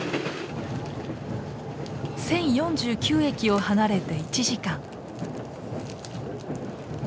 １０４９駅を離れて１時間。